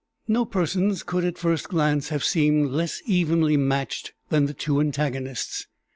No persons could at first glance have seemed less evenly matched than the two antagonists.